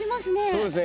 そうですね。